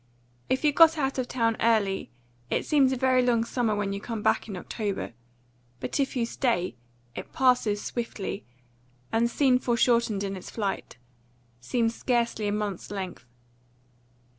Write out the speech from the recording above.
If you go out of town early, it seems a very long summer when you come back in October; but if you stay, it passes swiftly, and, seen foreshortened in its flight, seems scarcely a month's length.